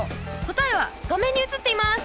答えは画面に映っています。